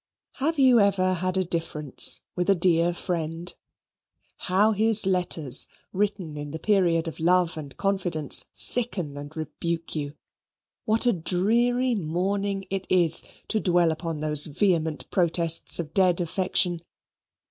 Have you ever had a difference with a dear friend? How his letters, written in the period of love and confidence, sicken and rebuke you! What a dreary mourning it is to dwell upon those vehement protests of dead affection!